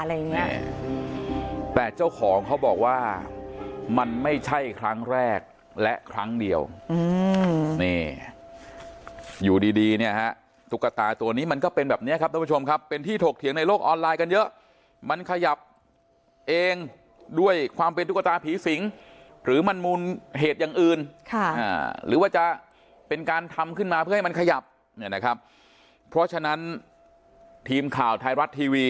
แต่เจ้าของเขาบอกว่ามันไม่ใช่ครั้งแรกและครั้งเดียวอืมนี่อยู่ดีดีเนี่ยฮะตุ๊กตาตัวนี้มันก็เป็นแบบเนี้ยครับท่านผู้ชมครับเป็นที่ถกเถียงในโลกออนไลน์กันเยอะมันขยับเองด้วยความเป็นตุ๊กตาผีสิงหรือมันมูลเหตุอย่างอื่นค่ะหรือว่าจะเป็นการทำขึ้นมาเพื่อให้มันขยับเนี่ยนะครับเพราะฉะนั้นทีมข่าวไทยรัฐทีวี